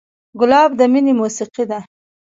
ګلاب د مینې موسیقي ده.